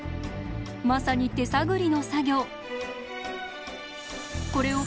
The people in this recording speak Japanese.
まさに手探りの作業。